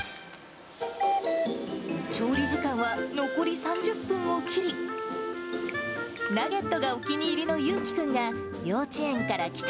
調理時間は残り３０分を切り、ナゲットがお気に入りの由貴くんが幼稚園から帰宅。